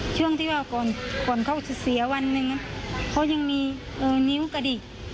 ช่วงที่ว่าก่อนเขาจะเสียวันหนึ่งเขายังมีนิ้วกระดิก